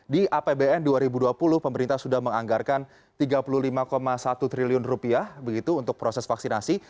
di apbn dua ribu dua puluh pemerintah sudah menganggarkan rp tiga puluh lima satu triliun rupiah begitu untuk proses vaksinasi